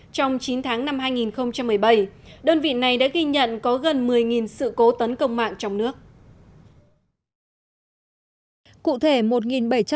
trong chín tháng năm hai nghìn một mươi bảy đơn vị này đã ghi nhận có gần một mươi sự cố tấn công mạng trong nước